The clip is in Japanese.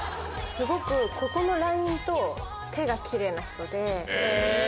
すごくここのラインと手がキレイな人で。